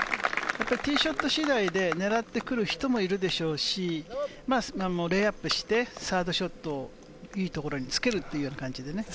ティーショット次第で狙ってくる人もいるでしょうし、レイアップしてサードショット、いいところに付けるっていう感じでね。